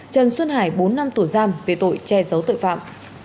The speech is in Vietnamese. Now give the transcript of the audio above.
trần xuân hải bốn năm tù giam về tội che giấu tội phạm